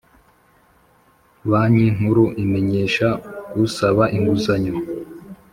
Banki Nkuru imenyesha usaba inguzanyo